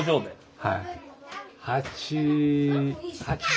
はい。